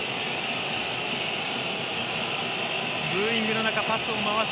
ブーイングの中パスを回す。